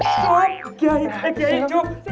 eh kiai eh kiai cucuk